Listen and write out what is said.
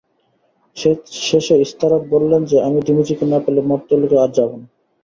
শেষে ইস্তারত বললেন যে, আমি দমুজিকে না পেলে মর্ত্যলোকে আর যাব না।